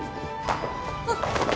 あっ。